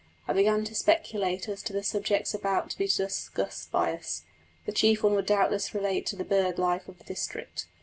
I began to speculate as to the subjects about to be discussed by us. The chief one would doubtless relate to the bird life of the district.